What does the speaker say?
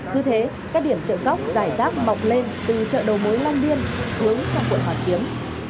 cứ thế các điểm chợ góc giải tác bọc lên từ chợ đầu mối long biên hướng sang quận hoàn kiếm